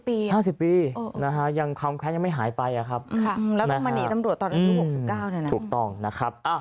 มันเป็นมา๕๐ปี๕๐ปีนะฮะยังความแพ้ยังไม่หายไปครับครับแล้วต้องมานี่ตำรวจตอน๖๙นะครับ